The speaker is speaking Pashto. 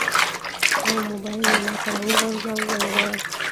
او موبایل یې ماته راوغورځاوه. و یې ویل: